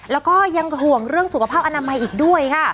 แล้วก็ยังห่วงเรื่องสุขภาพอนามัยอีกด้วยค่ะ